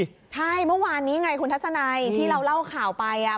ใช่เมื่อวานนี้ไงคุณทัศนัยที่เราเล่าข่าวไปอ่ะ